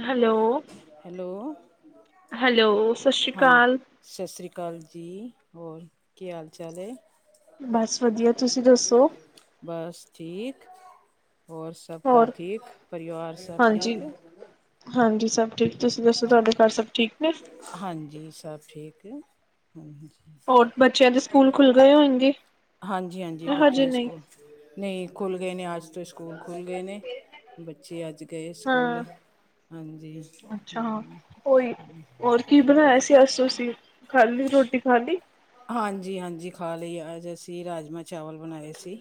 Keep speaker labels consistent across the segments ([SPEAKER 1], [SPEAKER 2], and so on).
[SPEAKER 1] Hello
[SPEAKER 2] hello
[SPEAKER 1] hello ਸਤਿ ਸ਼੍ਰੀ
[SPEAKER 2] ਹਾਂ
[SPEAKER 1] ਅਕਾਲ
[SPEAKER 2] ਸਤਿ ਸ਼੍ਰੀ ਅਕਾਲ ਜੀ ਹੋਰ ਕੀ ਹਾਲ ਚਾਲ ਹੈ
[SPEAKER 1] ਬਸ ਵਧੀਆ ਤੁਸੀਂ ਦੱਸੋ
[SPEAKER 2] ਬਸ ਠੀਕ ਹੋਔਰ ਸਬ ਘਰ
[SPEAKER 1] ਹੋਰ
[SPEAKER 2] ਠੀਕ ਪਰਿਵਾਰ ਸਬ
[SPEAKER 1] ਹਾਂਜੀ
[SPEAKER 2] ਠੀਕ [inaudible]
[SPEAKER 1] ਹਾਂਜੀ ਸਭ ਠੀਕ ਤੁਸੀਂ ਦੱਸੋ ਤੁਹਾਡੇ ਘਰ ਸਭ ਠੀਕ ਨੇ
[SPEAKER 2] ਹਾਂਜੀ ਸਭ ਠੀਕ ਹਾਂਜੀ
[SPEAKER 1] ਹੋਰ ਬੱਚਿਆਂ ਦੇ ਸਕੂਲ ਖੁੱਲ ਗਏ ਹੋਣਗੇ
[SPEAKER 2] ਹਾਂਜੀ ਹਾਂਜੀ ਬੱਚਿਆਂ
[SPEAKER 1] ਹਜੇ
[SPEAKER 2] ਦੇ
[SPEAKER 1] ਨਹੀਂ
[SPEAKER 2] ਸਕੂਲ ਨਹੀਂ ਖੁੱਲ੍ਹ ਗਏ ਨੇ ਅੱਜ ਤੋਂ ਸਕੂਲ ਖੁੱਲ੍ਹ ਗਏ ਨੇ ਬੱਚੇ ਅੱਜ ਗਏ ਸਕੂਲ
[SPEAKER 1] ਹਾਂ
[SPEAKER 2] ਹਾਂਜੀ
[SPEAKER 1] ਅੱਛਾ ਹਾਂ
[SPEAKER 2] ਹਮ
[SPEAKER 1] ਕੋਈ ਹੋਰ ਕੀ ਬਣਾਇਆ ਸੀ ਅਸ ਤੁਸੀਂ ਖਾੀ ਰੋਟੀ ਖਾ ਲਈ
[SPEAKER 2] ਹਾਂਜੀ ਹਾਂਜੀ ਖਾ ਲਈ ਅੱਜ ਅਸੀਂ ਰਾਜਮਾਂ ਚਾਵਲ ਬਣਾਏ ਸੀ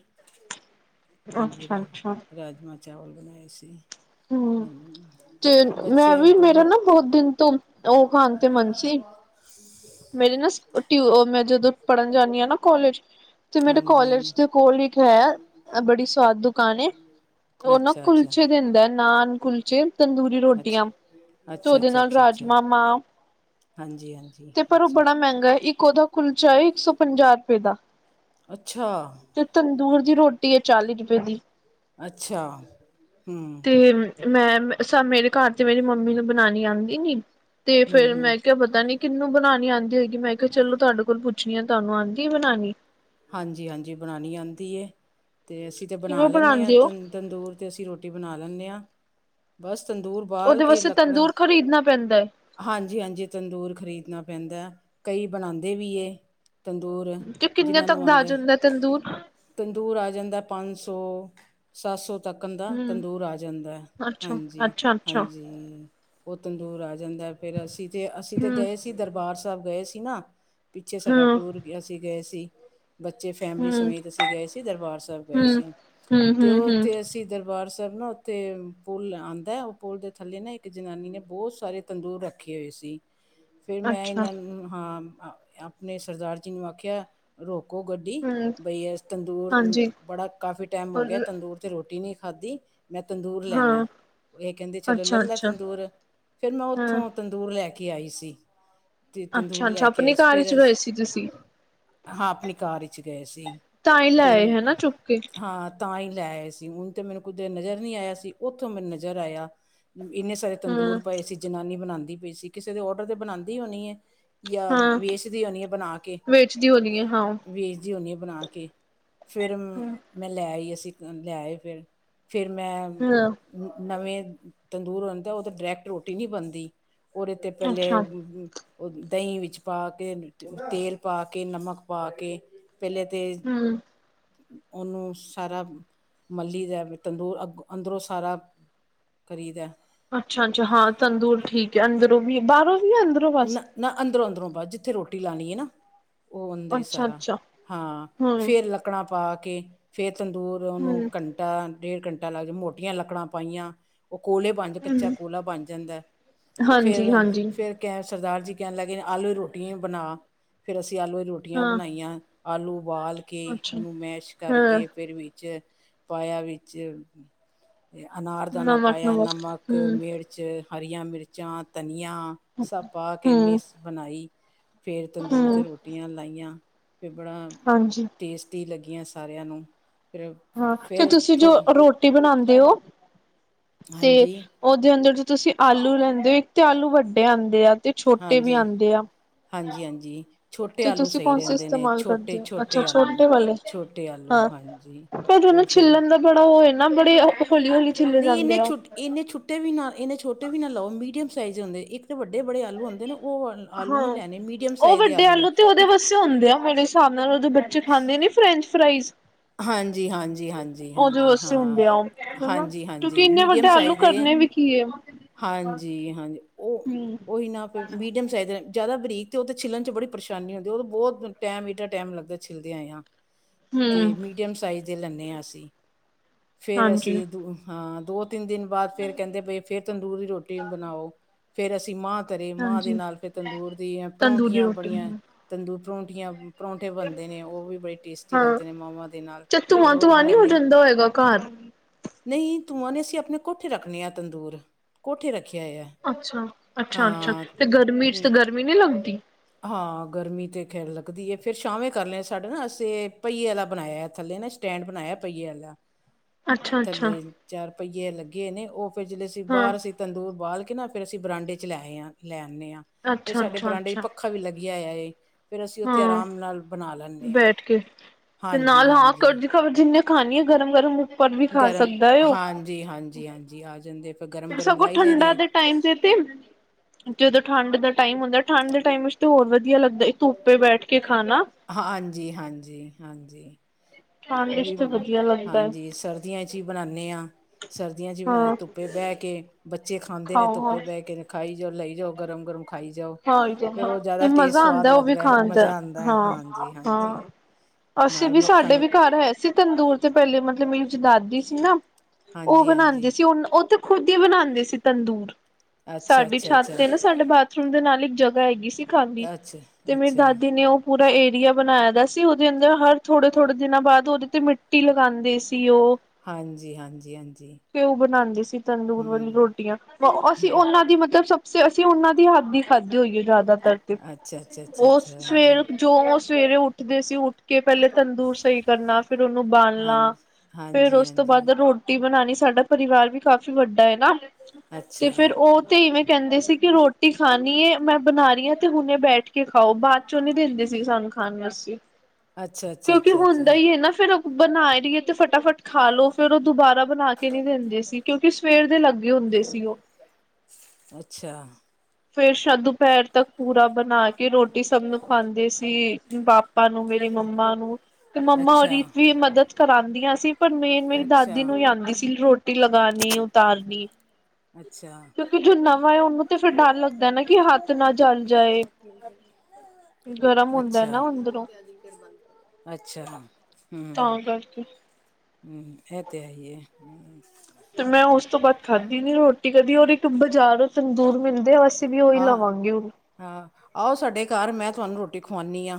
[SPEAKER 2] ਹਾਂਜੀ
[SPEAKER 1] ਅੱਛਾ
[SPEAKER 2] ਰਾਜ
[SPEAKER 1] ਅੱਛਾ
[SPEAKER 2] ਰਾਜਮਾਂ ਚਾਵਲ ਬਣਾਏ ਸੀ
[SPEAKER 1] ਹਮ
[SPEAKER 2] ਹਾਂਜੀ
[SPEAKER 1] ਤੇ ਮੈਂ
[SPEAKER 2] ਬੱਚੇ
[SPEAKER 1] ਵੀ ਮੇਰਾ
[SPEAKER 2] ਬੜੇ
[SPEAKER 1] ਨਾ ਬਹੁਤ ਦਿਨ ਤੋਂ ਉਹ ਖਾਣ ਤੇ ਮਨ ਸੀ
[SPEAKER 2] [inaudible]
[SPEAKER 1] ਮੇਰੀ ਨਾ ਮੈਂ ਜਦੋਂ ਪੜ੍ਹਨ ਜਾਂਦੀ ਹਾਂ ਨਾ ਕੋਾਲਜ ਤੇ ਮੇਰੇ
[SPEAKER 2] ਹਾਂਜੀ ਹਾਂਜੀ
[SPEAKER 1] ਕੋਾਲਜ ਦੇ ਕੋਲ ਇੱਕ ਹੈ ਬੜੀ ਸਵਾਦ ਦੁਕਾਨ ਉਹ ਨਾ
[SPEAKER 2] ਅੱਛਾ ਅੱਛਾ
[SPEAKER 1] ਕੁਲਚੇ ਦਿੰਦਾ ਨਾਨ ਕੁਲਚੇ ਤੰਦੂਰੀ
[SPEAKER 2] ਅੱਛਾ
[SPEAKER 1] ਰੋਟੀਆਂ ਤੇ
[SPEAKER 2] ਅੱਛਾ
[SPEAKER 1] ਉਹਦੇ
[SPEAKER 2] ਅੱਛਾ
[SPEAKER 1] ਨਾਲ
[SPEAKER 2] ਅੱਛਾ ਅੱਛਾ
[SPEAKER 1] ਰਾਜਮ ਮਾਂ
[SPEAKER 2] ਹਾਂਜੀ ਹਾਂਜੀ
[SPEAKER 1] ਤੇ ਪਰ ਉਹ
[SPEAKER 2] ਅੱਛਾ
[SPEAKER 1] ਬੜਾ ਮਹਿੰਗਾ ਹੈ ਇੱਕ ਉਹਦਾ ਕੁਲਚਾ ਹੈ ਇੱਕ ਸੌ ਪੰਜਾਹ ਰੁਪਏ ਦਾ
[SPEAKER 2] ਆਹਓ
[SPEAKER 1] ਤੇ ਤੰਦੂਰ ਦੀ ਰੋਟੀ ਹੈ ਚਾਲੀ ਰੁਪਏ ਦੀ
[SPEAKER 2] ਅੱਛਾ
[SPEAKER 1] ਤੇ ਮੈਂ ਮੇਰੇ ਘਰ ਚ ਮੇਰੀ ਮੰਮੀ ਨੂੰ ਬਣਾਉਣੀ ਆਉਂਦੀ ਨੀ ਤੇ
[SPEAKER 2] ਹਮ
[SPEAKER 1] ਫੇਰ
[SPEAKER 2] ਹਮ
[SPEAKER 1] ਮੈਂ ਕਿਹਾ ਪਤਾ ਨੀ ਕਿੰਨੂੰ ਬਣਾਉਣੀ ਆਉਂਦੀ ਹੋਏਗੀ ਮੈਂ ਕਿਹਾ ਚਲੋ ਤੁਹਾਡੇ ਕੋਲ ਪੁੱਛਣੀ ਆ ਤੁਹਾਨੂੰ ਆਉਂਦੀ ਬਣਾਉਣੀ
[SPEAKER 2] ਹਾਂਜੀ ਹਾਂਜੀ ਬਣਾਣੀ ਆਂਦੀ ਏ ਤੇ ਅਸੀ ਤੇ ਬਣਾ
[SPEAKER 1] ਕਿਵੇਂ
[SPEAKER 2] ਲੈਂਨੇਂ ਆ
[SPEAKER 1] ਬਣਾਉਂਦੇ
[SPEAKER 2] ਤ
[SPEAKER 1] ਹੋ
[SPEAKER 2] ਤੰਦੂਰ ਤੇ ਅਸੀਂ ਰੋਟੀ ਬਣਾ ਲੈਂਨੇਂ ਹਾਂ ਬਸ ਤੰਦੂਰ ਬਾਲ
[SPEAKER 1] ਉਹਦੇ
[SPEAKER 2] ਕੇ
[SPEAKER 1] ਵਾਸਤੇ
[SPEAKER 2] ਲੱਕੜਾਂ
[SPEAKER 1] ਤੰਦੂਰ ਖਰੀਦਣਾ ਪੈਂਦਾ ਹੈ।
[SPEAKER 2] ਹਾਂਜੀ ਹਾਂਜੀ ਤੰਦੂਰ ਖ਼ਰੀਦਣਾ ਪੈਂਦਾ ਹੈ ਕਈ ਬਣਾਦੇ ਵੀ ਏ ਤੰਦੂਰ।
[SPEAKER 1] ਤੇ ਕਿੰਨੇ
[SPEAKER 2] ਜਿਨ੍ਹਾਂ
[SPEAKER 1] ਤੱਕ
[SPEAKER 2] ਨੂੰ
[SPEAKER 1] ਦਾ
[SPEAKER 2] ਆਉਂਦਾ
[SPEAKER 1] ਜੰਦਾ ਤੰਦੂਰ?
[SPEAKER 2] ਤੰਦੂਰ ਆ ਜਾਂਦਾ, ਪੰਜ-ਸੌ ਸੱਤ-ਸੌ ਤਕਣ ਦਾ
[SPEAKER 1] ਹਮ
[SPEAKER 2] ਤੰਦੂਰ ਆ ਜਾਂਦਾ,
[SPEAKER 1] ਅੱਛਾ ਅੱਛਾ ਅੱਛਾ
[SPEAKER 2] ਹਾਂਜੀ-ਹਾਂਜੀ। ਉਹ ਤੰਦੂਰ ਆ ਜਾਂਦਾ, ਫਿਰ ਅਸੀਂ ਤੇ, ਅਸੀਂ ਤੇ
[SPEAKER 1] ਹਮ
[SPEAKER 2] ਗਏ ਸੀ, ਦਰਬਾਰ ਸਾਹਿਬ ਗਏ ਸੀ ਨਾ ਪਿੱਛੇ ਸਾਡਾ
[SPEAKER 1] ਹਮ
[SPEAKER 2] ਟੂਰ ਗਿਆ ਅਸੀ ਗਏ ਸੀ। ਬੱਚੇ ਫੈਮਿਲੀ
[SPEAKER 1] ਹਮ
[SPEAKER 2] ਸਮੇਤ ਅਸੀਂ ਗਏ ਸੀ ਦਰਬਾਰ ਸਾਹਿਬ ਗਏ
[SPEAKER 1] ਹਮ
[SPEAKER 2] ਸੀ।
[SPEAKER 1] ਹਮ
[SPEAKER 2] ਤੇ ਉਹ
[SPEAKER 1] ਹਮ ਹਮ
[SPEAKER 2] ਉੱਥੇ ਅਸੀ ਦਰਬਾਰ ਸਾਹਿਬ ਨਾ ਤੇ ਪੁਲ ਆਉਂਦਾ ਉਹ ਪੁਲ ਦੇ ਥੱਲੇ ਨਾ ਇੱਕ ਜਨਾਨੀ ਨੇ ਬਹੁਤ ਸਾਰੇ ਤੰਦੂਰ ਰੱਖੇ ਹੋਏ ਸੀ ਫਿਰ ਮੈਂ
[SPEAKER 1] ਅੱਛਾ
[SPEAKER 2] ਇਹਨਾਂ ਨੂੰ ਹਾਂ ਆਪਣੇ ਸਰਦਾਰ ਜੀ ਨੂੰ ਆਖਿਆ ਰੋਕੋ ਗੱਡੀ
[SPEAKER 1] ਹਮ
[SPEAKER 2] ਬਈ ਤੰਦੂਰ
[SPEAKER 1] ਹਾਂਜੀ
[SPEAKER 2] ਬੜਾ ਕਾਫੀ ਟਾਈਮ ਹੋ ਗਿਆ ਤੰਦੂਰ ਤੇ ਰੋਟੀ ਨਹੀਂੀ ਖਾਧੀ ਮੈਂ ਤੰਦੂਰ ਲੈਣਾ
[SPEAKER 1] ਹਾਂ
[SPEAKER 2] ਇਹ ਕਹਿੰਦੇ ਚਲੋ
[SPEAKER 1] ਅੱਛਾ
[SPEAKER 2] ਲਲ ਲੈ
[SPEAKER 1] ਅੱਛਾ
[SPEAKER 2] ਤੰਦੂਰ ਫਿਰ ਮੈਂ
[SPEAKER 1] ਹਾਂ
[SPEAKER 2] ਉੱਥੋਂ ਤੰਦੂਰ ਲੈ ਕੇ ਆਈ ਸੀ ਤੇ ਤੰਦੂਰ ਲੈ ਕੇ ਆਈ ਸੀ ਫਿਰ
[SPEAKER 1] ਅੱਸੀ ਤੁੱਸੀਂ
[SPEAKER 2] ਹਾਂ ਆਪਣੀ ਕਾਰ ਇਚ ਗਏ ਸੀ
[SPEAKER 1] ਤਾਂ ਹੀ ਲੈ
[SPEAKER 2] ਫਿਰ
[SPEAKER 1] ਆਏ ਹਨਾ ਚੁੱਕ ਕੇ
[SPEAKER 2] ਹਾਂ ਤਾਂਈ ਲੈ ਆਏ ਸੀ, ਹੁਣ ਤੇ ਮੈਨੂੰ ਕੁੱਦੇ ਨਜ਼ਰ ਨਹੀਂ ਆਇਆ ਸੀ, ਉੱਥੋਂ ਮੈਨੂੰ ਨਜ਼ਰ ਆਇਆ। ਇੰਨੇ ਸਾਰੇ
[SPEAKER 1] ਹਾਂ
[SPEAKER 2] ਤੰਦੂਰ ਪਏ ਸੀ, ਜਨਾਨੀ ਬਣਾਂਦੀ ਪਈ ਸੀ। ਕਿਸੇ ਦੇ ਔਡਰ ਦੇ ਬਣਾਂਦੀ ਹੋਣੀ ਏ। ਯਾ, ਵੇਚਦੀ ਹੋਣੀ ਏ ਬਣਾਕੇ।
[SPEAKER 1] ਚਦੀ ਹੋਣੀ ਹੈ, ਹਾਂ।
[SPEAKER 2] ਵੇਚਦੀ ਹੋਦੀ ਏ ਬਣਾਕੇ, ਫਿਰ ਮੈਂ, ਲਿਆਈ ਸੀ ਲਿਆਏ ਫਿਰ। ਫਿਰ 'ਮੈਂ
[SPEAKER 1] ਹਾਂ
[SPEAKER 2] ਨਵੇਂ ਤੰਦੂਰ ਹੋਂਦਾ ਉਹ ਤੇ ਡਾਇਰੈਕਟ ਰੋਟੀ ਨੀ ਬਣਦੀ। ਉਹਦੇ ਤੇ ਪਹਿਲੇ
[SPEAKER 1] ਅੱਛਾ
[SPEAKER 2] ਦਹੀਂ ਵਿੱਚ ਪਾਕੇ, ਤੇਲ ਪਾ ਕੇ, ਨਮਕ ਪਾਕੇ ਪਹਿਲੇ ਤੇ
[SPEAKER 1] ਹਮ
[SPEAKER 2] ਉਹਨੂੰ ਸਾਰਾ ਮਲ੍ਹੀ ਦਾ, ਤੰਦੂਰ ਅੱ, ਅੰਦਰੋਂ ਸਾਰਾ ਕਰੀਦਾ।
[SPEAKER 1] ਅੱਛਾ-ਅੱਛਾ, ਹਾਂ, ਤੰਦੂਰ ਠੀਕ ਏ। ਅੰਦਰੋਂ ਵੀ, ਬਾਹਰੋਂ ਵੀ ਹੈ ਅੰਦ?
[SPEAKER 2] ਨਾ-ਨਾ, ਅੰਦਰੋਂ-ਅੰਦਰੋਂ ਬਸ ਜਿੱਥੇ ਰੋਟੀ ਲਾਣੀਏ ਨਾ। ਉਹ ਹੁੰਦਾ ਹੀ
[SPEAKER 1] ਅੱਛਾ
[SPEAKER 2] ਸਾਰਾ,
[SPEAKER 1] ਅੱਛਾ
[SPEAKER 2] ਹਾਂ।
[SPEAKER 1] ਹੂੰ,
[SPEAKER 2] ਫੇਰ ਲੱਕੜਾਂ ਪਾਕੇ, ਫੇਰ ਤੰਦੂਰ ਉਹਨੂੰ
[SPEAKER 1] ਹੂੰ,
[SPEAKER 2] ਘੰਟਾ, ਡੇਢ ਘੰਟਾ ਲੱਗ ਜ ਮੋਟੀਆਂ ਲੱਕੜਾਂ ਪਾਈਆਂ, ਉਹ ਕੋਲੇ ਪ੍ਹੰਜ ਕੱਚਾ
[SPEAKER 1] ਹੂੰ,
[SPEAKER 2] ਕੋਲਾ ਬਣ ਜਾਂਦਾ,
[SPEAKER 1] ਹਾਂਜੀ,
[SPEAKER 2] ਫਿਰ,
[SPEAKER 1] ਹਾਂਜੀ,
[SPEAKER 2] ਫਿਰ ਕਹਿ ਸਰਦਾਰ ਜੀ ਕਹਿਣ ਲੱਗੇ ਆਲੂ ਰੋਟੀਆਂ ਬਣਾ! ਫਿਰ ਅਸੀ ਆਲੂ ਅਲਿਆ ਰੋਟੀਆਂ
[SPEAKER 1] ਹਾਂ।
[SPEAKER 2] ਬਣਾਈਆਂ। ਆਲੂ ਉਬਾਲਕੇ,
[SPEAKER 1] ਅੱਛਾ।
[SPEAKER 2] ਉਹਨੂੰ ਮੈਸ਼
[SPEAKER 1] ਹਾਂ,
[SPEAKER 2] ਕਰਕੇ ਫਿਰ ਵੀ ਪਾਇਆ, ਵਿੱਚ ਅਨਾਰਦਾਨਾ
[SPEAKER 1] ਨਮਕ,
[SPEAKER 2] ਪਾਇਆ, ਨਮਕ,
[SPEAKER 1] ਹੂੰ,
[SPEAKER 2] ਮਿਰਚ ਵਿੱਚ ਹਰੀਆਂ ਮਿਰਚਾਂ, ਧਨੀਆ ਸਭ ਪਾਕੇ
[SPEAKER 1] ਹੂੰ,
[SPEAKER 2] ਮਿਸ ਬਣਾਈ। ਫਿਰ ਤੰਦੂਰ ਤੇ
[SPEAKER 1] ਹੂੰ,
[SPEAKER 2] ਰੋਟੀਆਂ ਲਾਈਆਂ, ਫਿਰ ਬੜਾ
[SPEAKER 1] ਹਾਂਜੀ।
[SPEAKER 2] ਟੇਸਟੀ ਲੱਗੀਆਂ ਸਾਰਿਆਂ ਨੂੰ, ਫਿਰ,
[SPEAKER 1] ਹਾਂ, ਤੇ
[SPEAKER 2] ਫਿਰ
[SPEAKER 1] ਤੁਸੀਂ
[SPEAKER 2] ਥੋ
[SPEAKER 1] ਜੋ ਰੋਟੀ ਬਣਾਂਦੇ ਹੋ, ਤੇ
[SPEAKER 2] ਹਾਂਜੀ
[SPEAKER 1] ਉਹਦੇ ਅੰਦਰ ਤੇ ਤੁਸੀਂ ਆਲੂ ਲੈਂਦੇ ਹੋ, ਇੱਕ ਤੇ ਆਲੂ ਵੱਡੇ ਆਂਦੇ ਆ, ਤੇ ਛੋਟੇ ਵੀ ਆਉਂਦੇ ਆ।
[SPEAKER 2] ਹਾਂਜੀ-ਹਾਂਜੀ। ਛੋਟੇ
[SPEAKER 1] ਤੇ
[SPEAKER 2] ਆਲੂ
[SPEAKER 1] ਤੁਸੀਂ
[SPEAKER 2] ਸਹੀ
[SPEAKER 1] ਕੌਣ ਸੇ
[SPEAKER 2] ਰਹਿੰਦੇ ਨੇ,
[SPEAKER 1] ਇਸਤੇਮਾਲ ਕਰਦੇ ਹੋ? ਅੱਛਾ
[SPEAKER 2] ਛੋਟੇ-ਛੋਟੇ ਆਲੂ,
[SPEAKER 1] ਛੋਟੇ
[SPEAKER 2] ਛੋਟੇ ਆਲੂ, ਹਾਂਜੀ।
[SPEAKER 1] ਪਰ ਉਹਨੂੰ
[SPEAKER 2] ਉਹ ਫਿਰ
[SPEAKER 1] ਛਿੱਲਣ ਦਾ ਬੜਾ ਉਹ ਏ ਨਾ, ਬੜੇ ਹੋਲੀ-ਹੋਲੀ
[SPEAKER 2] ਨਹੀਂ ਇੰਨੇ ਛੁਟ ਇਨੇ ਛੁੱਟੇ ਵੀ ਨਾ, ਇੱਨੇ ਛੋਟੇ ਵੀ ਨਾ ਲਓ ਮੀਡੀਅਮ ਸਾਈਜ਼ ਦੇ ਹੁੰਦੇ, ਇੱਕ ਤੇ ਵੱਡੇ ਬੜੇ ਆਲੂ ਹੁੰਦੇ ਨੇਂ ਉਹ ਆਲੂ
[SPEAKER 1] ਹਾਂ
[SPEAKER 2] ਨਹੀ ਲੈਣੇ, ਮੀਡੀਅਮ ਸਾਈਜ਼ ਦੇ ਆਲੂ ਲੈਣੇ ਇੱਕ
[SPEAKER 1] ਇਕ ਹੁੰਦੇ ਆ ਮੇਰੇ ਹਿਸਾਬ ਨਾਲ ਉਦੇ ਬੱਚੇ ਖਾਂਦੇ ਨੀ, ਫਰੈਂਚ ਫਰਾਈਜ਼?
[SPEAKER 2] ਹਾਂਜੀ ਹਾਂਜੀ ਹਾਂਜੀ
[SPEAKER 1] ਉਦੇ
[SPEAKER 2] ਹਾਂਜੀ
[SPEAKER 1] ਵਸੇ
[SPEAKER 2] ਹਾਂ
[SPEAKER 1] ਹੁੰਦੇ ਆ ਓ ਹਨਾ!
[SPEAKER 2] ਹਾਂਜੀ
[SPEAKER 1] ਕਿਉਂਕਿ
[SPEAKER 2] ਹਾਂਜੀ
[SPEAKER 1] ਇੰਨੇ ਵੱਡੇ ਆਲੂ ਕਰਨੇ ਵੀ ਕੀ ਕੀਏ
[SPEAKER 2] ਹਾਂਜੀ-ਹਾਂਜੀ, ਉਹ, ਉਹੀ ਨਾ ਫਿਰ ਮੀਡੀਅਮ ਚਾਹੀਦੇ ਨੇ, ਜ਼ਿਆਦਾ ਬਰੀਕ ਤੇ ਉਹਦੇ ਛਿਲਣ'ਚ ਬੜੀ ਪਰੇਸ਼ਾਨੀ ਹੁੰਦੀ ਹੈ, ਉਹ ਬਹੁਤ ਟਾਈਮ ਐਢਾ ਟਾਈਮ ਲੱਗਦਾ ਛਿਲਦਿਆਂ ਹੋਇਆ। ਅਤੇ,
[SPEAKER 1] ਹੂੰ
[SPEAKER 2] ਮੀਡੀਅਮ ਸਾਈਜ਼ ਦੇ ਲੈਂਨੇ ਹਾਂ ਅਸੀ, ਫਿਰ
[SPEAKER 1] ਹਾਂਜੀ
[SPEAKER 2] ਅਸੀਂ ਦੂ- ਹਾਂ, ਦੋ, ਤਿੰਨ ਦਿਨ ਬਾਅਦ ਫਿਰ ਕਹਿੰਦੇ ਬਈ, ਫੇਰ ਤੰਦੂਰ ਦੀ ਰੋਟੀ ਬਣਾਓ! ਫੇਰ ਅਸੀਂ ਮਾਂ- ਧਰੇ ਮਾਂ ਦੇ
[SPEAKER 1] ਹਾਂਜੀ
[SPEAKER 2] ਨਾਲ ਫਿਰ ਤੰਦੂਰ ਦੀ
[SPEAKER 1] ਤੰਦੂਰੀ
[SPEAKER 2] ਪਰੌਂਠੀਆਂ
[SPEAKER 1] ਰੋਟੀ
[SPEAKER 2] ਬੜੀਆਂ, ਤੰਦੂ ਪਰੌਂਠੀਆਂ ਪਰੌਂਠੇ ਬਣਦੇ ਨੇਂ, ਉਹ ਵੀ ਬੜੀ ਟੇਸਟੀ ਲੱਗਦੇ
[SPEAKER 1] ਹਾਂ
[SPEAKER 2] ਕੇਂਦੇ ਨੇਂ ਮਾਵਾਂ ਦੇ ਨਾਲ,
[SPEAKER 1] ਚ
[SPEAKER 2] ਫਿਰ
[SPEAKER 1] ਧੂੰਆਂ
[SPEAKER 2] ਉਹ
[SPEAKER 1] ਧੂੰਆਂ ਨੀ ਹੋ
[SPEAKER 2] ਬਨਾਂਣੇ ਆਂ।
[SPEAKER 1] ਜਾਂਦਾ ਹੋਏਗਾ ਘਰ
[SPEAKER 2] ਨਹੀਂ ਧੂਆਂ ਨਈ ਸੀਂ ਅਪਣੇ ਕੋਠੇ ਰੱਖਣੇ ਆ ਤੰਦੂਰ, ਕੋਠੇ ਰੱਖਿਆ ਯਾ।
[SPEAKER 1] ਅੱਛਾ! ਅੱਛਾ-ਅੱਛਾ, ਤੇ ਗਰਮੀ 'ਚ ਤਾ
[SPEAKER 2] ਹਮ,
[SPEAKER 1] ਗਰਮੀ ਨਹੀਂ ਲੱਗਦੀ?
[SPEAKER 2] ਹਾਂ, ਗਰਮੀ ਤੇ ਖੈਰ ਲੱਗਦੀ ਏ, ਫਿਰ ਛਾਵੇਂ ਕਰ ਲਿਆ। ਸਾਡੇ ਨਾ ਅਸੀਂ ਪਹੀਏ ਵਾਲਾ ਬਣਾਇਆ ਥੱਲੇ ਨਾ- ਸਟੈਂਡ ਬਣਾਇਆ ਪਈਏ ਆਲਾ।
[SPEAKER 1] [inaudible] ਅੱਛਾ
[SPEAKER 2] ਥੱਲੇ ਚਾਰ ਪਈਏ ਲੱਗੇ ਨੇ, ਉਹ ਫੇਰ ਜੇ ਅਸੀਂ,
[SPEAKER 1] ਹਾਂ
[SPEAKER 2] ਬਾਹਰ ਅਸੀਂ- ਤੰਦੂਰ ਬਾਲ ਕੇ ਨਾ, ਫਿਰ ਅਸੀਂ ਬਰਾਂਡੇ'ਚ ਲਿਆਏ ਆਂ, ਲੈ ਆਂਨੇ ਹਾਂ, ਫਿਰ
[SPEAKER 1] ਅੱਛਾ
[SPEAKER 2] ਸਾਡੇ
[SPEAKER 1] ਅੱਛਾ
[SPEAKER 2] ਬਰਾਂਡੇ'ਚ
[SPEAKER 1] ਅੱਛਾ
[SPEAKER 2] ਪੱ- ਪੱਖਾ ਵੀ ਲੱਗਿਆ ਯਾਏ। ਫਿਰ ਅਸੀਂ ਉੱਥੇ
[SPEAKER 1] ਹਾਂ
[SPEAKER 2] ਆਰਾਮ ਨਾਲ ਬਣਾ ਲੈਂਨੇ ਹਾਂ।
[SPEAKER 1] ਬੈਠ ਕੇ ਤੇ ਨਾਲ ਹਾਂ
[SPEAKER 2] ਹਾਂਜੀ-ਹਾਂਜੀ।
[SPEAKER 1] ਕੜਜੀ ਜਿੰਨੇ ਖਾਣੀ ਏ ਗਰਮ-ਗਰਮ
[SPEAKER 2] ਗਰਮ। ਹਾਂਜੀ, ਹਾਂਜੀ, ਹਾਂਜੀ ਆ ਜਾਂਦੇ ਫਿ
[SPEAKER 1] ਸਗੋਂ ਠੰਡਾ ਦੇ ਟਾਈਮ ਤੇ, ਤੇ। ਜਦੋਂ ਠੰਡ ਦਾ ਟਾਈਮ ਹੁੰਦਾ, ਠੰਡ ਦੇ ਟਾਈਮ ਵਿੱਚ ਹੋਰ ਵਧੀਆ ਲੱਗਦਾ ਧੁੱਪੇ ਬੈਠ ਕੇ ਖਾਣਾ।
[SPEAKER 2] ਹਾਂਜੀ, ਹਾਂਜੀ, ਹਾਂਜੀ।
[SPEAKER 1] ਖਾਣ
[SPEAKER 2] ਉਹ
[SPEAKER 1] ਵਿੱਚ
[SPEAKER 2] ਵੀ,
[SPEAKER 1] ਤੇ ਵਧੀਆ ਲੱਗਦਾ ਹੈ
[SPEAKER 2] ਹਾਂਜੀ ਸਰਦੀਆਂ ਚ ਈ ਬਣਾਂਣੇ ਆਂ। ਸਰਦੀਆਂ ਚ ਈ ਬਣਾਏ
[SPEAKER 1] ਹਾਂ
[SPEAKER 2] ਧੁੱਪ ਧੁੱਪੇ ਬਹਿ ਕੇ ਬੱਚੇ ਖਾਂਦੇ ਨੇਂ,
[SPEAKER 1] ਖਾਓ ਹਾਂ
[SPEAKER 2] ਧੁੱਪੇ ਬਹਿ ਕੇ ਖਾਈ ਜਾਓ, ਲਈ ਜਾਓ, ਗਰਮ-ਗਰਮ। ਖਾਈ ਜਾਓ, ਫਿਰ
[SPEAKER 1] ਹਾਂ
[SPEAKER 2] ਉਹ
[SPEAKER 1] ਤੇ
[SPEAKER 2] ਜ਼ਿਆਦਾ ਟੇਸਟ
[SPEAKER 1] ਮਜ਼ਾ
[SPEAKER 2] ਸਵਾਦ
[SPEAKER 1] ਆਉਂਦਾ ਉਹ ਵੀ
[SPEAKER 2] ਲੱਗਦਾ
[SPEAKER 1] ਖਾਣ ਦਾ
[SPEAKER 2] ਮਜ਼ਾ ਆਂਦਾ ਏ।
[SPEAKER 1] ਹਾਂ
[SPEAKER 2] ਹਾਂਜੀ,
[SPEAKER 1] ਹਾਂ
[SPEAKER 2] ਹਾਂਜੀ।
[SPEAKER 1] ਅਸੀਂ
[SPEAKER 2] ਨਾਲ
[SPEAKER 1] ਵੀ ਸਾਡੇ
[SPEAKER 2] ਮੱਖਣ
[SPEAKER 1] ਵੀ ਘਰ ਹੈ ਸੀ ਤੰਦੂਰ ਤੇ ਪਹਿਲੇ ਮਤਲਬ ਮੇਰੀ ਜੌ ਦਾਦੀ ਸੀ ਨਾਂ, ਉਹ
[SPEAKER 2] ਹਾਂਜੀ
[SPEAKER 1] ਬਣਾਂਦੇ
[SPEAKER 2] ਹਾਂਜੀ
[SPEAKER 1] ਸੀ ਉਹ, ਉਹ ਤੇ ਖੁਦ ਹੀ ਬਣਾਂਦੇ ਸੀ ਤੰਦੂਰ।
[SPEAKER 2] ਅੱਛਾ
[SPEAKER 1] ਸਾਡੀ
[SPEAKER 2] ਅੱਛਾ
[SPEAKER 1] ਛੱਤ
[SPEAKER 2] ਅੱਛਾ
[SPEAKER 1] ਤੇ ਨਾਂ ਸਾਡੇ ਬਾਥ- ਥਰੂਮ ਦੇ ਨਾਲ ਇੱਕ ਜਗ੍ਹਾ ਹੈਗੀ ਸੀ ਖਾਲੀ, ਤੇ
[SPEAKER 2] ਅੱਛਾ
[SPEAKER 1] ਮੇਰੀ
[SPEAKER 2] ਅੱਛਾ
[SPEAKER 1] ਦਾਦੀ ਨੇ ਉਹ ਪੂਰਾ ਏਰੀਆ ਬਣਾਇਆ ਦਾ ਸੀ। ਉਹਦੇ ਅੰਦਰ ਹਰ ਥੋੜੇ-ਥੋੜੇ ਦਿਨਾਂ ਬਾਅਦ ਉਹਦੇ ਤੇ ਮਿੱਟੀ ਲਗਾਂਦੇ ਸੀ ਉਹ।
[SPEAKER 2] ਹਾਂਜੀ, ਹਾਂਜੀ। ਹਾਂਜੀ
[SPEAKER 1] ਕੇ ਉਹ ਬਣਾਂਦੇ ਸੀ ਤੰਦੂਰ ਵਾਲੀ
[SPEAKER 2] ਹਮ
[SPEAKER 1] ਰੋਟੀਆਂ, ਓ ਅਸੀਂ
[SPEAKER 2] ਹਮ
[SPEAKER 1] ਉਹਨਾਂ ਦੀ ਮਤਲਬ ਸਪੋ ਅਸੀਂ ਉਹਨਾਂ ਦੀ ਹੱਥ ਦੀ ਖਾਧੀ ਹੋਈਏ ਜ਼ਿਆਦਾਤਰ ਤੇ,
[SPEAKER 2] ਅੱਛਾ ਅੱਛਾ ਅੱਛਾ
[SPEAKER 1] ਉਹ
[SPEAKER 2] ਅੱਛਾ
[SPEAKER 1] ਸਵੇਰ ਜੋ ਉਹ ਸਵੇਰੇ ਉੱਠਦੇ ਸੀ ਉੱਠ ਕੇ ਪਹਿਲੇ ਤੰਦੂਰ ਸਹੀ ਕਰਨਾ, ਫਿਰ ਉਹਨੂੰ ਬਾਲਣਾ
[SPEAKER 2] ਹਾਂਜੀ
[SPEAKER 1] ਫਿਰ
[SPEAKER 2] ਹਾਂਜੀ
[SPEAKER 1] ਉਸ ਤੋਂ ਬਾਅਦ
[SPEAKER 2] ਹਾਂਜੀ
[SPEAKER 1] ਰੋਟੀ ਰੋਟੀ ਬਣਾਂਣੀ ਸਾਡਾ ਪਰਿਵਾਰ ਵੀ ਕਾਫੀ ਵੱਡਾ ਐ ਨਾਂ, ਤੇ
[SPEAKER 2] ਅੱਛਾ
[SPEAKER 1] ਫਿਰ ਉਹ ਤੇ ਇਵੇਂ ਕਹਿੰਦੇ ਸੀ ਕਿ ਰੋਟ ਰੋਟੀ ਖਾਣੀ ਏ। ਮੈਂ ਬਣਾ ਰਹੀ ਆਂ ਤੇ ਹੁਣੇ ਬੈਠ ਕੇ ਖਾਓ। ਬਾਅਦ ਚ ਨਈਂ ਦਿੰਦੀ ਸੀ ਸਾਨੂੰ ਖਾਣ ਵਾਸਤੇ।
[SPEAKER 2] ਅੱਛਾ ਅੱਛਾ
[SPEAKER 1] ਕਿਉਂਕਿ
[SPEAKER 2] ਅੱਛਾ
[SPEAKER 1] ਹੁੰਦਾ
[SPEAKER 2] ਅੱਛਾ
[SPEAKER 1] ਈ ਏ ਨਾਂ ਫਿਰ ਬਣਾ ਰਹੀਏ ਤੇ ਫਟਾਫਟ ਖਾ ਲੋ, ਫਿਰ ਉਹ ਦੁਬਾਰਾ ਬਣਾ ਕੇ ਨਹੀਂ ਦਿੰਦੀ ਸੀ, ਕਿਉਂਕਿ ਸਵੇਰ ਦੇ ਲੱਗ
[SPEAKER 2] [unintelligible] ਅੱਛਾ।
[SPEAKER 1] ਫੇਰ ਅੱਛਾ ਦੁਪਹਿਰ ਤੱਕ ਪੂਰਾ ਬਣਾ ਕੇ ਰੋਟੀ ਸਭ ਨੂੰ ਖਵਾਂਦੇ ਸੀ। ਬਾਪੂ ਪਾਪਾ ਨੂੰ, ਮੇਰੀ ਮੰਮਾ ਨੂੰ। ਤੇ ਮੰਮਾ
[SPEAKER 2] ਅੱਛਾ,
[SPEAKER 1] ਔਰੀ ਵੀ ਮਦਦ ਕਰਾਉਂਦੀਆਂ ਸੀ, ਪਰ ਮੇਨ ਮੇਰੀ ਦਾਦੀ
[SPEAKER 2] ਅੱਛਾ,
[SPEAKER 1] ਨੂੰ ਈ ਆਂਦੀ ਸੀ ਰੋਟੀ ਟੀ ਲਗਾਨੀ, ਉਤਾਰਨੀ।
[SPEAKER 2] ਅੱਛਾ।
[SPEAKER 1] ਕਿਉਂਕਿ ਜੋ ਨਵਾਂ ਏ ਉਹਨੂੰ ਤੇ ਫਿਰ ਡਰ ਲੱਗਦਾ ਨਾਂ ਕਿ ਹੱਥ ਨਾ ਜਲ ਜਾਏ। ਗਰਮ ਹੁੰਦਾ
[SPEAKER 2] ਅੱਛਾ,
[SPEAKER 1] ਨਾ ਅੰਦਰੋਂ
[SPEAKER 2] ਅੱਛਾ।
[SPEAKER 1] ਤਾਂ ਕਰਕੇ।
[SPEAKER 2] ਹਂ, ਹੈ ਤੇ ਹੈਈ ਐ।
[SPEAKER 1] ਤੇ ਮੈਂ ਉਸ ਤੋਂ ਬਾਅਦ ਖਾਧੀ ਨੀਂ ਰੋਟੀ ਕਦੀ, ਔਰ ਇੱਕ ਬਾਜ਼ਾਰੋਂ ਤੰਦੂਰ ਮੈਨੂੰ ਅਸੀਂ ਵੀ ਉਹੀ
[SPEAKER 2] ਹਾਂ
[SPEAKER 1] ਲਵਾਂਗੇ
[SPEAKER 2] ਹਾਂ, ਆਓ ਸਾਡੇ ਘਰ ਮੈਂ ਤੁਹਾਨੂੰ ਰੋਟੀ ਖਵਾਉਣੀ ਆਂ।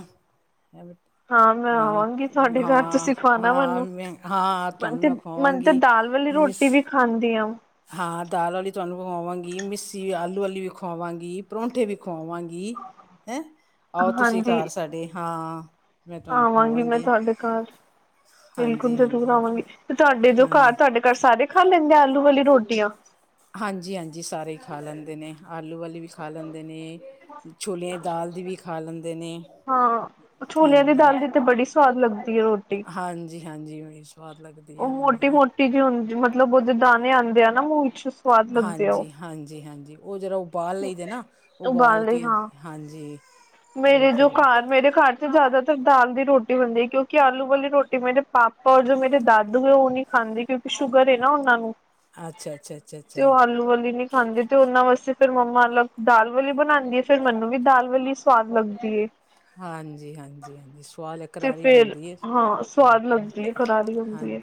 [SPEAKER 1] ਮੈਂ
[SPEAKER 2] ਹਾਂ,
[SPEAKER 1] ਆਵਾਂਗੀ ਤੁਹਾਡੇ ਘਰ
[SPEAKER 2] ਹਾਂ,
[SPEAKER 1] ਤੁਸੀਂ ਖਵਾਣਾ
[SPEAKER 2] ਹਾਂ,
[SPEAKER 1] ਮੈਨੂੰ।
[SPEAKER 2] ਮੈਂ ਹਾਂ,
[SPEAKER 1] ਮਨ
[SPEAKER 2] ਤੁਹਾਨੂੰ
[SPEAKER 1] ਤੇ
[SPEAKER 2] ਮੈਂ
[SPEAKER 1] ਮਨ ਤੇ
[SPEAKER 2] ਪਾਵਾਂਗੀ।
[SPEAKER 1] ਦਾਲ ਵਾਲੀ ਰੋਟੀ
[SPEAKER 2] ਮਿਸ
[SPEAKER 1] ਵੀ ਖਾਂਦੀ ਆ
[SPEAKER 2] ਹਾਂ ਦਾਲ ਵਾਲੀ ਚਾਵਲ ਬਣਾਵਾਂ ਗੀ। ਮਿਸੀ ਆਲੂ ਵਾਲੀ ਖਵਾਵਾਂਗੀ। ਪਰੌਂਠੇ ਵੀ ਖਵਾਵਾਂਗੀ ਹੈਂ। ਆਓ ਤੁਸੀਂ
[SPEAKER 1] ਹਾਂਜੀ।
[SPEAKER 2] ਘਰ ਸਾਡੇ ਹਾਂ ਮੈਂ ਤੁਹਾਨੂੰ
[SPEAKER 1] ਆਵਾਂਗੀ ਮੈਂ
[SPEAKER 2] ਖਵਾਵਾਂਗੀ
[SPEAKER 1] ਤੁਹਾਡੇ ਘਰ। ਬਿਲਕੁਲ
[SPEAKER 2] ਹਾਂਜੀ
[SPEAKER 1] ਜ਼ਰੂਰ
[SPEAKER 2] ਹਾਂਜੀ
[SPEAKER 1] ਆਵਾਂਗੀ ਤੇ ਤੁਹਾਡੇ ਜੋ ਘਰ
[SPEAKER 2] ਹਾਂਜੀ
[SPEAKER 1] ਤੁਹਾਡੇ ਘਰ ਸਾਰੇ ਖਾ ਲੈਂਦੇ ਆ ਆਲੂ ਵਾਲੀ ਰੋਟੀਆਂ।
[SPEAKER 2] ਹਾਂਜੀ, ਹਾਂਜੀ ਸਾਰੇ ਹੀ ਖਾ ਲੈਂਦੇ ਨੇਂ, ਆਲੂ ਵਾਲੀ ਵੀ ਖਾ ਲੈਂਦੇ ਨੇਂ। ਛੋਲਿਆਂ ਦੀ ਦਾਲ ਦੀ ਵੀ ਖਾ ਲੈਂਦੇ ਨੇਂ।
[SPEAKER 1] ਹਾਂ, ਛੋਲਿਆਂ ਦੀ ਦਾਲ ਦੀ ਤੇ ਬੜੀ ਸਵਾਦ ਲੱਗਦੀ ਐ ਰੋਟੀ।
[SPEAKER 2] ਹਾਂਜੀ, ਬੜੀ ਸਵਾਦ ਲੱਗਦੀ ਹੈ
[SPEAKER 1] ਉਹ
[SPEAKER 2] ਹਾਂਜੀ।
[SPEAKER 1] ਮੋਟੀ-ਮੋਟੀ ਜਿ ਹੁੰਦੀ, ਮਤਲਬ ਉਹਦੇ ਦਾਣੇ ਆਂਦੇ ਆ ਨਾਂ ਮੂੰਹ ਚ
[SPEAKER 2] ਹਾਂਜੀ, ਹਾਂਜੀ, ਹਾਂਜੀ ਉਹ ਜਿਹਰਾ ਉਬਾਲ ਲਈ ਦੇ ਨਾਂ, ਉਬਾਲ
[SPEAKER 1] ਉਗਾਉਣ ਲਈ
[SPEAKER 2] ਕੇ
[SPEAKER 1] ਹਾਂ
[SPEAKER 2] ਹਾਂਜੀ, ਉਹ
[SPEAKER 1] ਮੇਰੇ ਜੋ
[SPEAKER 2] ਫਿਰ।
[SPEAKER 1] ਘਰ ਮੇਰੇ ਘਰ ਜ਼ਿਆਦਾਤਰ ਦਾਲ ਦੀ ਰੋਟੀ ਬਣਦੀ, ਕਿਉਂਕਿ ਆਲੂ ਵਾਲੀ ਰੋਟੀ ਮੇਰੇ ਪਾਪ ਓਰ ਜੋ ਮੇਰੇ ਦਾਦੂ ਏ। ਉਹ ਨਹੀਂ ਖਾਂਦੇ। ਕਿਉਂਕਿ ਸ਼ੂਗਰ ਨਾ ਉਹਨਾਂ ਨੂੰ, ਤੇ
[SPEAKER 2] ਅੱਛਾ-ਅੱਛਾ-ਅੱਛਾ-ਅੱਛਾ
[SPEAKER 1] ਉਹ ਆਲੂ ਵਾਲੀ ਨੀ ਖਾਂਦੇ, ਤੇ ਉਹਨਾਂ ਵਾਸਤੇ ਫੇਰ ਮੰਮਾ ਅਲਗ ਦਾਲ ਵਾਲੀ ਬਣਾਉਂਦੀ ਏ। ਫੇਰ ਮੈਨੂੰ ਵੀ ਦਾਲ ਵਾਲੀ ਸਵਾਦ ਲੱਗਦੀ ਏ।
[SPEAKER 2] ਹਾਂਜੀ ਹਾਂਜੀ ਹਾਂਜੀ ਸਵਾਦ ਲ
[SPEAKER 1] ਤੇ ਫੇਰ, ਹਾਂ ਸਵਾਦ ਲੱਗਦੀ ਏ, ਕਰਾਰੀ
[SPEAKER 2] ਹਾਂ
[SPEAKER 1] ਹੁੰਦੀ ਏ।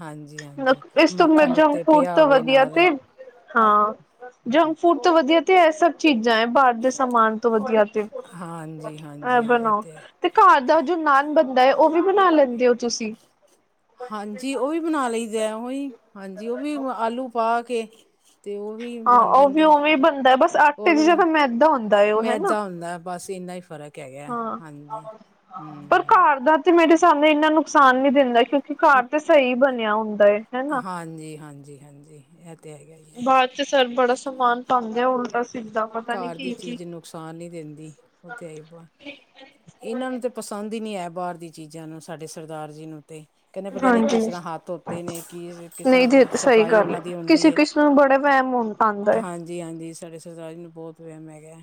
[SPEAKER 2] ਹਾਂਜੀ-ਹਾਂਜੀ
[SPEAKER 1] ਲੋਕ, ਇਸ ਤੋਂ ਮ
[SPEAKER 2] ਮੱਖਣ
[SPEAKER 1] ਜੰਕ
[SPEAKER 2] ਉੱਤੇ
[SPEAKER 1] ਫੂਡ
[SPEAKER 2] ਪਿਆ
[SPEAKER 1] ਤੋਂ
[SPEAKER 2] ਹੋਵੇ
[SPEAKER 1] ਵਧੀਆ
[SPEAKER 2] ਨਾਲ
[SPEAKER 1] ਤੇ ਹਾਂ। ਜੰਕ ਫੂਡ ਤਾਂ ਵਧੀਆ, ਤੇ ਇਹ ਸਭ ਚੀਜ਼ਾਂ ਐ। ਬ ਦੇ ਸਮਾਨ ਤੋਂ ਵਧੀਆ ਤੇ ਏ
[SPEAKER 2] ਹਾਂਜੀ-ਹਾਂਜੀ ਇਹ
[SPEAKER 1] ਬਣਾਓ। ਤੇ ਘਰ ਦਾ ਜੋ ਨਾਨ ਬੰਣਦਾ ਹੈ। ਉਹ ਵੀ ਬਣਾ ਲੈਂਦੇ ਹੋ ਤੁਸੀਂ
[SPEAKER 2] ਹਾਂਜੀ। ਉਹ ਵੀ ਬਣਾ ਲਈ ਦਾ ਉਹੀ, ਹਾਂਜੀ ਉਹ ਵੀ ਆਲੂ ਪਾ ਕੇ। ਤੇ ਉਹ ਵੀ
[SPEAKER 1] ਹਾਂ
[SPEAKER 2] ਬਣ
[SPEAKER 1] ਉਹ ਵੀ
[SPEAKER 2] ਜਾਂਦਾ।
[SPEAKER 1] ਉਵੇਂ ਬਣਦਾ ਬਸ
[SPEAKER 2] ਉਹ
[SPEAKER 1] ਆਟੇ ਦੀ
[SPEAKER 2] ਵੀ
[SPEAKER 1] ਜਗ੍ਹਾ ਮੈਦਾ ਹੁੰਦਾ ਹੈ ਉਹ ਹਨਾ
[SPEAKER 2] ਮੈਦਾ ਹੁੰਦਾ। ਬਸ ਇੰਨਾ ਹੀ ਫ਼ਰਕ ਹੈਗਾ।
[SPEAKER 1] ਹਾਂ
[SPEAKER 2] ਹਾਂਜੀ
[SPEAKER 1] ਪਰ
[SPEAKER 2] ਹੂੰ
[SPEAKER 1] ਘਰ ਦਾ ਤੇ ਮੇਰੇ ਸਾਹਮਣੇ ਇੰਨਾ ਨੁਕਸਾਨ ਨੀ ਦਿੰਦਾ ਏ। ਕਿਉਂਕਿ ਘਰ ਤੇ ਸਹੀ ਬਣਿਆ ਹੁੰਦਾ ਹੈਨਾ।
[SPEAKER 2] ਹਾਂਜੀ ਹਾਂਜੀ ਹਾਂਜੀ ਏ ਹੈਗਾ ਹੀ ਹੈ।
[SPEAKER 1] ਬਾਹਰ ਤੇ ਸਰ ਬੜਾ ਸਮਾਨ ਪਾਉਂਦੇ ਆ ਉਲਟਾ ਸਿੱਧਾ ਪਤਾ ਨੀ
[SPEAKER 2] ਘਰ ਦੀ
[SPEAKER 1] ਕੀ ਕੀ
[SPEAKER 2] ਚੀਜ਼ ਨੁਕਸ ਸਾਨ ਨੀ ਦਿੰਦੀ। ਉਹ ਤੇਈ ਇਹਨਾਂ ਨੂੰ ਤੇ ਪਸੰਦ ਹੀ ਨਹੀਂ ਆਇਆ। ਬਾਹਰ ਦੀਆਂ ਚੀਜ਼ਾਂ ਨੂੰ ਸਾਡੇ ਸਰਦਾਰ ਜੀ ਨੂੰ, ਤੇ ਕਹਿੰਦੇ ਪਤਾ ਨੀ, ਕਿਸ
[SPEAKER 1] ਹਾਂਜੀ
[SPEAKER 2] ਤਰ੍ਹਾਂ ਹੱਥ ਧੋਤੇ ਨੇ ਕੀ ਕਿਸ
[SPEAKER 1] ਨਹੀਂ ਦੇ
[SPEAKER 2] ਤਰ੍ਹਾਂ
[SPEAKER 1] ਸਹੀ
[SPEAKER 2] ਸਫ਼ਾਈ
[SPEAKER 1] ਗੱਲ
[SPEAKER 2] ਉਹਨਾਂ
[SPEAKER 1] ਹੈ
[SPEAKER 2] ਦੀ ਹੁੰਦੀ
[SPEAKER 1] ਕਿਸੇ
[SPEAKER 2] ਏ,
[SPEAKER 1] ਕਿਸੇ ਨੂੰ ਬੜਾ
[SPEAKER 2] ਤੇ
[SPEAKER 1] ਵਹਿਮ ਹੁੰ ਆਉਂਦਾ ਹੈ
[SPEAKER 2] ਹਾਂਜੀ। ਜੀ। ਹਾਂਜੀ ਸਾਡੇ ਸਰਦਾਰੀ ਨੂੰ ਬਹੁਤ ਵਹਿਮ ਹੈਗਾ।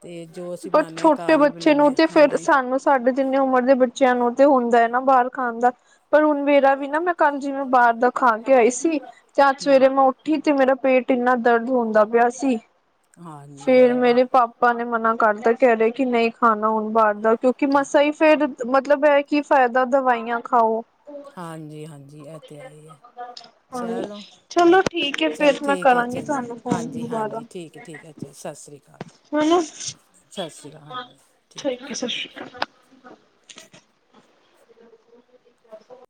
[SPEAKER 2] ਤੇ ਜੋ ਅਸੀਂ
[SPEAKER 1] ਪਰ
[SPEAKER 2] ਬਣਾਨੇ ਹਾਂ
[SPEAKER 1] ਛੋਟੇ
[SPEAKER 2] ਘਰ ਹੀ
[SPEAKER 1] ਬੱਚੇ ਨੂੰ
[SPEAKER 2] ਬਣਾਨੇ ਹਾਂ
[SPEAKER 1] ਤੇ ਫੇਰ
[SPEAKER 2] ਹਾਂਜੀ
[SPEAKER 1] ਸਾਨੂੰ ਸਾਢੇ ਜਿੰਨੇ ਉਮਰ ਦੇ ਬੱਚਿਆਂ ਨੂੰ ਤੇ ਹੁੰਦਾ ਹੈ। ਨਾ ਬਾਹਰ ਖਾਣ ਦਾ ਪਰ ਮੇਰਾ ਵੀ ਨਾ ਮੈਂ ਕੱਲ ਜਿਵੇਂ, ਬਾਹਰ ਦਾ ਖਾ ਕੇ ਆਈ ਸੀ। ਤੇ ਅੱਜ
[SPEAKER 2] ਹੂੰ
[SPEAKER 1] ਸਵੇਰੇ ਮੈਂ ਉੱਠ ਠੀ, ਤੇ ਮੇਰਾ ਪੇਟ ਇੰਨਾ ਦਰਦ ਹੁੰਦਾ ਪਿਆ ਸੀ।
[SPEAKER 2] ਹਾਂਜੀ
[SPEAKER 1] ਫੇਰ
[SPEAKER 2] ਉਹੀ
[SPEAKER 1] ਮੇਰੇ ਪਾਪ ਪਾਪਾਂ ਨੇ ਮਨਾ ਕਰਦਾ ਕਹਿ ਰਹੇ। ਕਿ ਨਹੀਂ ਖਾਣਾ ਹੁਣ ਬਾਹਰ ਦਾ ਕਿਉਂਕਿ ਮਸਾਂ ਹੀ ਫੇਰ ਮਤਲਬ, ਇਹ ਕੀ ਫਾਇਦਾ ਦਵਾਈਆਂ ਖਾਓ।
[SPEAKER 2] ਹਾਂਜੀ ਹਾਂਜੀ ਏ ਤੇ ਹੈਹੀ ਹੈ।
[SPEAKER 1] ਹਾਂਜੀ
[SPEAKER 2] ਚਲੋ ਅੱ,
[SPEAKER 1] ਚਲੋ ਠੀਕ ਹੈ
[SPEAKER 2] ਚੱਲ
[SPEAKER 1] ਫੇਰ ਮੈਂ
[SPEAKER 2] ਠੀਕ ਹੈ।
[SPEAKER 1] ਕਰਾਂਗੀ
[SPEAKER 2] ਅੱਛਾ ਜੀ
[SPEAKER 1] ਤੁਹਾਨੂੰ ਫੋਨ
[SPEAKER 2] ਹਾਂਜੀ
[SPEAKER 1] ਦੁਬਾਰਾ
[SPEAKER 2] ਹਾਂਜੀ। ਠੀਕ ਹੈ, ਠੀਕ ਹੈ, ਅੱਛਾ। ਸਤਿ ਸ਼੍ਰੀ ਅਕਾਲ
[SPEAKER 1] ਹੁਨ
[SPEAKER 2] ਸਤਿ ਸ਼੍ਰੀ ਅਕਾਲ ਹਾਂਜੀ ਹੈ।
[SPEAKER 1] ਠੀਕ ਇਕ ਵੈਸੇ